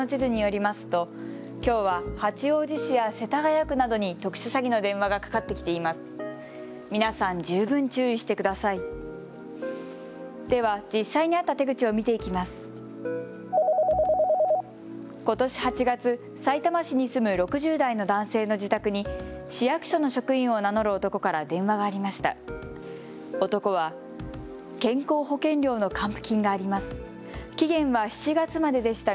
ことし８月、さいたま市に住む６０代の男性の自宅に市役所の職員を名乗る男から電話がありました。